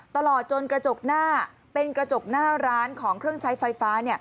ตลอดจนกระจกหน้าเป็นกระจกหน้าร้านของเครื่องใช้ไฟฟ้า